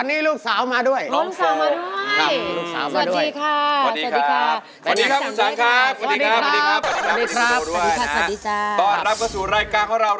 คุณสังได้ให้ร้าน